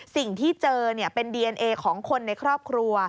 สิ่งที่เจอเป็นดีเอนเอของคนในครอบครัว